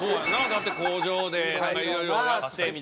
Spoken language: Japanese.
だって工場でいろいろやってみたいな。